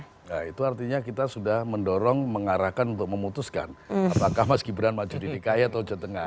nah itu artinya kita sudah mendorong mengarahkan untuk memutuskan apakah mas gibran maju di dki atau jawa tengah